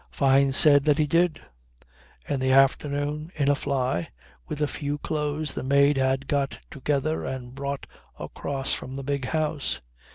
Fyne said that he did; in the afternoon, in a fly, with a few clothes the maid had got together and brought across from the big house.